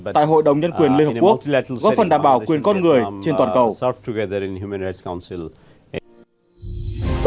tại hội đồng nhân quyền liên hợp quốc là góp phần đảm bảo quyền con người trên toàn cầu